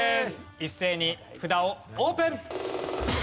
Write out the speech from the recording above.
一斉に札をオープン！